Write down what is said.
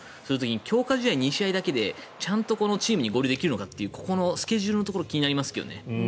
強化試合２試合だけでちゃんとチームに合流できるのかというここのスケジュールのところ気になりますけどね。